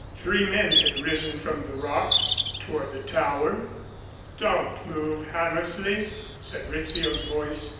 Three men had risen from among the rocks toward the Tower. "Don't move, Hammersley," said Rizzio's voice.